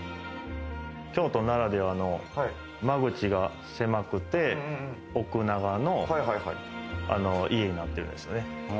京都ならではの間口が狭くて、奥長の家になっているんですよね。